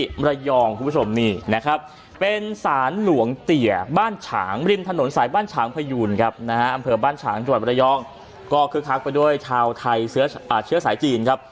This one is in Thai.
มรยองคุณผู้ชมนี่นะครับเป็นสารหลวงเตียบ้านฉางริมถนนสายบ้านฉางพยูนครับนะฮะอำเภอบ้านฉางจังหวัดมรยองก็คึกคักไปด้วยชาวไทยเชื้อสายจีนครับ